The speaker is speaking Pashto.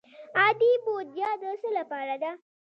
عادي بودجه د څه لپاره ده؟